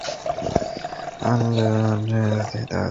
হেদায়াতের পথ আজ একেবারেই সুস্পষ্ট।